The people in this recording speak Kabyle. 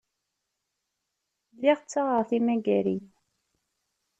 Lliɣ ttaɣeɣ timagarin.